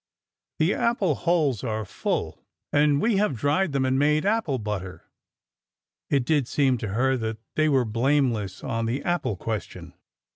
The apple holes are full, and we have dried them and made apple butter.'' It did seem to her that they were blameless on the apple question.